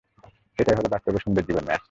এটাই হলো বাস্তব ও সুন্দর জীবন, মেস।